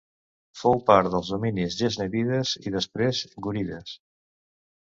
Fou part dels dominis gaznèvides i després gúrides.